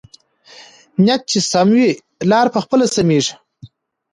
نیت چې سم وي، لاره پخپله سمېږي.